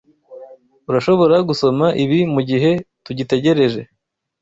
Urashobora gusoma ibi mugihe tugitegereje.